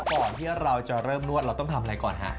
ก่อนที่เราจะเริ่มนวดเราต้องทำอะไรก่อนฮะ